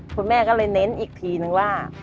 คุณแม่ก็เลยเน้นอีกทีนึงว่า